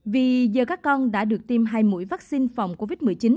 vì giờ các con đã được tiêm hai mũi vaccine phòng covid một mươi chín